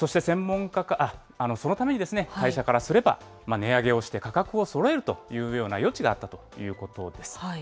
そのために、会社からすれば、値上げをして価格をそろえるというような余地があったということです。